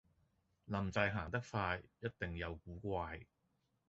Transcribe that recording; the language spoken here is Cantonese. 林鄭行得快,一定有古怪